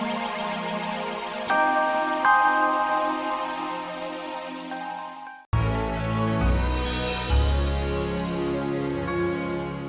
gue nggak deraka ya kan